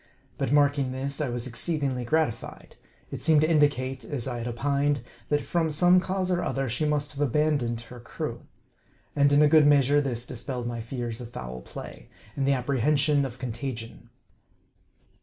But marking this, I was exceedingly gratified. It seemed to indicate, as I had opined, that from some cause or other, she must have been abandoned of her crew. And in a good measure this dispelled my fears of foul play, and the apprehension of contagion.